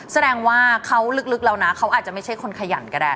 แสดงว่าเขาลึกแล้วนะเขาอาจจะไม่ใช่คนขยันก็ได้